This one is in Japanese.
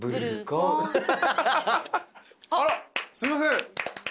あらすいません。